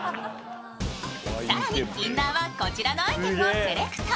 さらにインナーはこちらのアイテムをセレクト。